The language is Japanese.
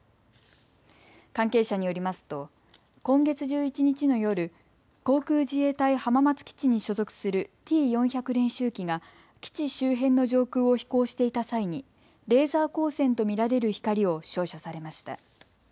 関係者によりますと今月１１日の夜、航空自衛隊浜松基地に所属するＴー４００練習機が基地周辺の上空を飛行していた際にレーザー光線と見られる光を照射されました。